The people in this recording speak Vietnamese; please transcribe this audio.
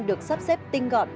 được sắp xếp tinh gọn